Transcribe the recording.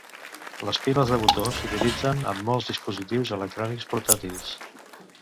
Les piles de botó s'utilitzen en molts dispositius electrònics portàtils.